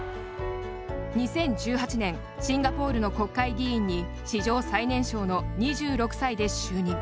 ２０１８年シンガポールの国会議員に史上最年少の２６歳で就任。